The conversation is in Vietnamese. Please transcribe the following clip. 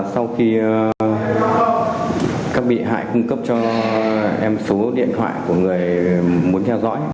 sau khi các bị hại cung cấp cho em số điện thoại của người muốn theo dõi